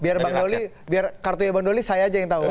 biar kartunya bang doli saya aja yang tau